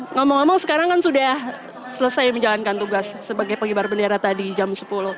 ngomong ngomong sekarang kan sudah selesai menjalankan tugas sebagai pengibar bendera tadi jam sepuluh